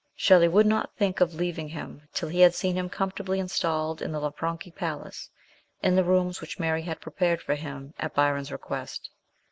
Shelley would not think of leaving hi in till he had seen him comfortably installed in the Lan franchi Palace, in the rooms which Mary had pre pared for him at Byron's request.